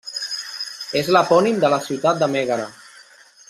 És l'epònim de la ciutat de Mègara.